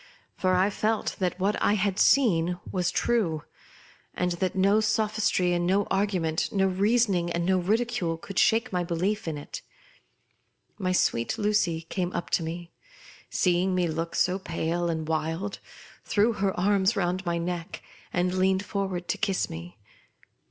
For I felt that what I had seen was true, and that no sophistry and no argument, no reason and no ridicule, could shake my belief in it. My sweet Lucy came up to me, seeing me look so pale and wild, threw her arms round my neck, and leaned forward to kiss me.